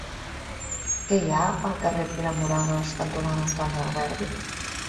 Què hi ha al carrer Pere Moragues cantonada Antoni Alberdi?